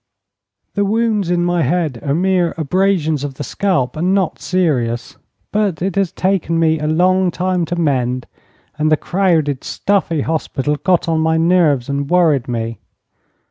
The wounds in my head are mere abrasions of the scalp, and not serious. But it has taken me a long time to mend, and the crowded, stuffy hospital got on my nerves and worried me.